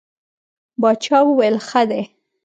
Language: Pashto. باچا وویل ښه دی.